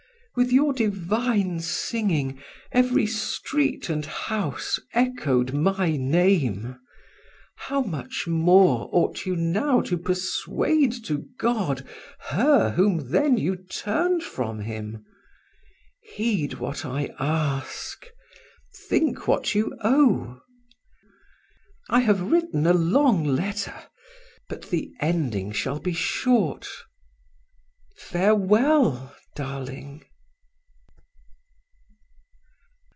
With your divine singing every street and house echoed my name! How much more ought you now to persuade to God her whom then you turned from Him! Heed what I ask; think what you owe. I have written a long letter, but the ending shall be short. Farewell, darling!